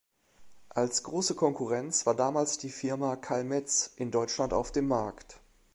Als große Konkurrenz war damals die Firma Carl Metz in Deutschland auf dem Markt.